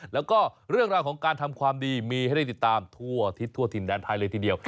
แล้วก็เรื่องราวของการทำความดีมีให้ได้ติดตามทั่วอาทิศทั่วถิ่นแดนไทยเลยทีเดียว